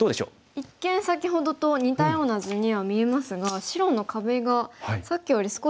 一見先ほどと似たような図には見えますが白の壁がさっきより少し隙間が空いてますね。